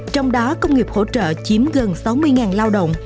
trong đó công nghiệp hỗ trợ chiếm gần sáu mươi lao động